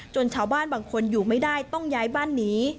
ชาวบ้านบางคนอยู่ไม่ได้ต้องย้ายบ้านหนี